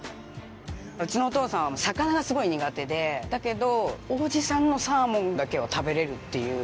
うちのお父さんは魚がすごい苦手でだけど王子さんのサーモンだけは食べれるっていう。